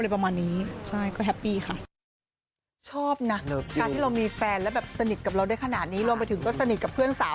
และประมาณนี้ก็แฮปปี้ค่ะ